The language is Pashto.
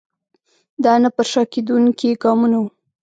دا نه پر شا کېدونکي ګامونه وو.